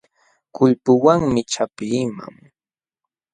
Kulpawanmi chapiiman.